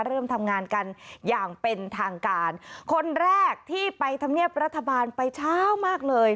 เริ่มทำงานกันอย่างเป็นทางการคนแรกที่ไปทำเนียบรัฐบาลไปเช้ามากเลย